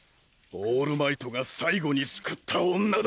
オールマイトが最後に救った女だ。